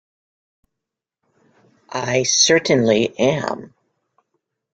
I certainly am.